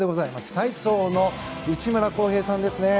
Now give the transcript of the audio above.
体操の内村航平さんですね。